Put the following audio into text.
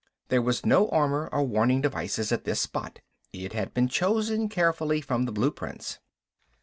There was no armor or warning devices at this spot, it had been chosen carefully from the blueprints.